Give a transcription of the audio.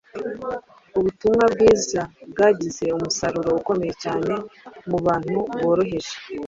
Ubutumwa bwiza bwagize umusaruro ukomeye cyane mu bantu boroheje.